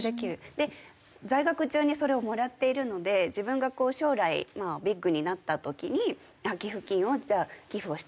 で在学中にそれをもらっているので自分が将来ビッグになった時に寄付金をじゃあ寄付をしてあげようって。